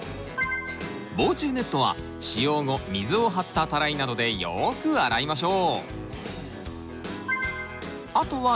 防虫ネットは使用後水を張ったたらいなどでよく洗いましょう。